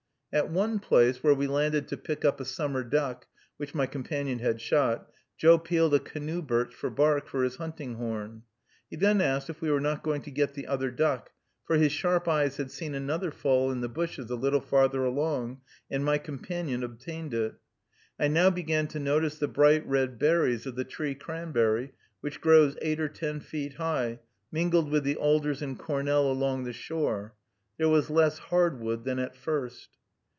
At one place, where we landed to pick up a summer duck, which my companion had shot, Joe peeled a canoe birch for bark for his hunting horn. He then asked if we were not going to get the other duck, for his sharp eyes had seen another fall in the bushes a little farther along, and my companion obtained it. I now began to notice the bright red berries of the tree cranberry, which grows eight or ten feet high, mingled with the alders and cornel along the shore. There was less hard wood than at first.